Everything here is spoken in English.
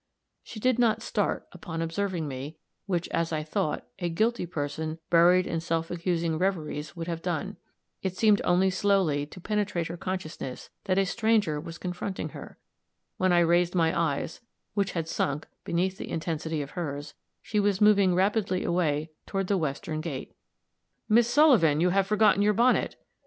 She did not start, upon observing me, which, as I thought, a guilty person, buried in self accusing reveries, would have done it seemed only slowly to penetrate her consciousness that a stranger was confronting her; when I raised my eyes, which had sunk beneath the intensity of hers, she was moving rapidly away toward the western gate. "Miss Sullivan, you have forgotten your bonnet."